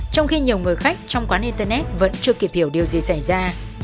trong khi nhiều người khách trong quán internet vẫn chưa kịp hiểu điều gì xảy ra